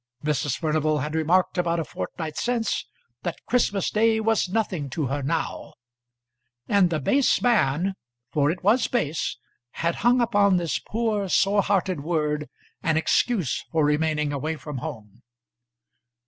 Mrs. Furnival had remarked about a fortnight since that Christmas day was nothing to her now; and the base man, for it was base, had hung upon this poor, sore hearted word an excuse for remaining away from home.